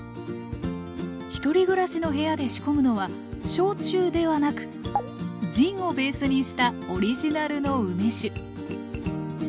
１人暮らしの部屋で仕込むのは焼酎ではなくジンをベースにしたオリジナルの梅酒。